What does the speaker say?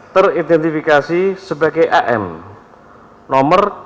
teridentifikasi sebagai am nomor dua puluh enam b